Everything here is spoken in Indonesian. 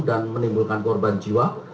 dan menimbulkan korban jiwa